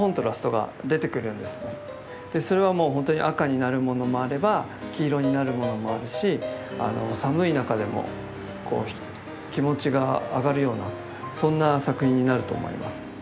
それはもう本当に赤になるものもあれば黄色になるものもあるし寒い中でも気持ちが上がるようなそんな作品になると思います。